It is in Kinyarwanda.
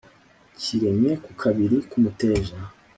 kiremye ku kabiri k' umuteja